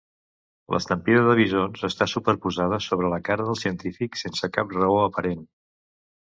L'estampida de bisons està superposada sobre la cara del científic sense cap raó aparent.